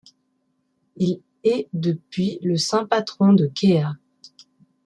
Il est depuis le saint patron de Kéa.